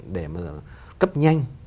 để cấp nhanh